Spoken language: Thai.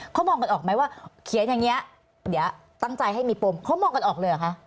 เขามองกันออกไหมว่าเขียนอย่างนี้เดี๋ยวตั้งใจให้มีปมเขามองกันออกเลยเหรอคะ